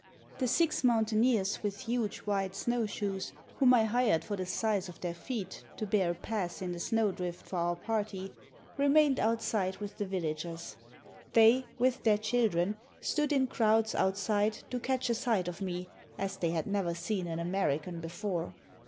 The six mountaineers with huge wide snow shoes, whom I hired for the size of their feet to beat a path in the snow drift for our party, remained outside with the villagers. They, with their children, stood in crowds outside to catch a sight of me, as they had never seen an American before.